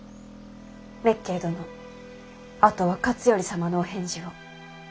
滅敬殿あとは勝頼様のお返事を。